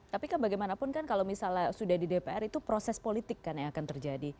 tapi kan bagaimanapun kan kalau misalnya sudah di dpr itu proses politik kan yang akan terjadi